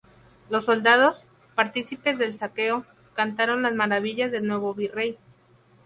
Los soldados, partícipes del saqueo, cantaron las maravillas del nuevo virrey.